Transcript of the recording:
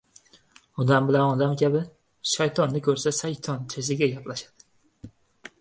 • Odam bilan odam kabi, shaytonni ko‘rsa shaytonchasiga gaplashadi